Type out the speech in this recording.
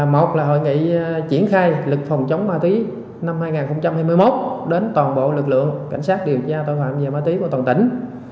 một là hội nghị triển khai lực phòng chống ma túy năm hai nghìn hai mươi một đến toàn bộ lực lượng cảnh sát điều tra tội phạm về ma túy của toàn tỉnh